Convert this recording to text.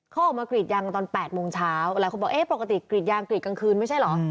เขาออกมากรีดยางตอน๘โมงเช้าหลายคนบอกเอ๊ะปกติกรีดยางกรีดกลางคืนไม่ใช่เหรอ